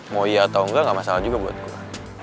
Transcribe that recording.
mau iya atau enggak enggak masalah juga buat gue